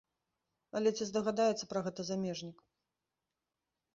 Але ці здагадаецца пра гэта замежнік?